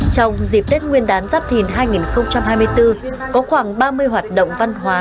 trong dịp tết nguyên đán giáp thìn hai nghìn hai mươi bốn có khoảng ba mươi hoạt động văn hóa